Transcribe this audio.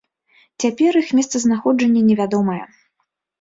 Цяпер іх месцазнаходжанне невядомае.